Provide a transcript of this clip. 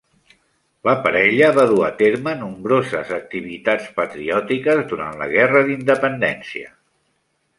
La parella va dur a terme nombroses activitats patriòtiques durant la Guerra d'Independència.